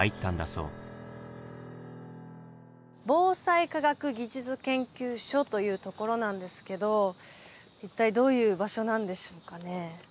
防災科学技術研究所というところなんですけど一体どういう場所なんでしょうかね。